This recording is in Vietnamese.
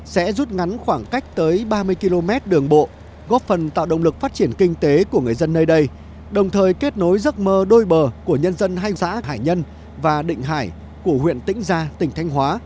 sẽ rút ngang vào lúc này sẽ rút ngang vào lúc này